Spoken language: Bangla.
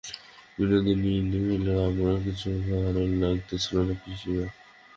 বিনোদিনী কহিল, আমারও কিছু ভালো লাগিতেছে না, পিসিমা।